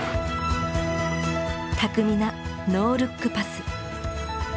巧みなノールックパス。